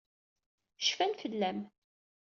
Cfan fell-am.